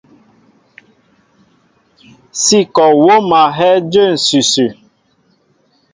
Sí kɔ wóm a hɛ́ɛ́ jə̂ ǹsʉsʉ.